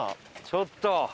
ちょっと。